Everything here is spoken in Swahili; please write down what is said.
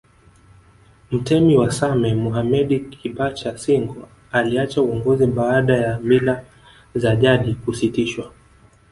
Mtemi wa Same Mohammedi Kibacha Singo aliacha uongozi baada ya mila za jadi kusitishwa